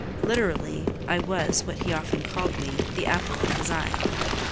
Literally, I was (what he often called me) the apple of his eye.